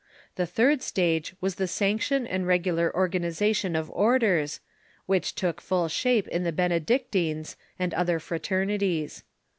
The third stage was the sanction and regular organization of orders, which took full shape in the Benedictines and similar fraternities.